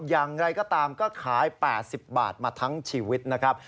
อย่างไรก็ตามก็ขาย๘๐บาทมาทั้งชีวิตนะครับ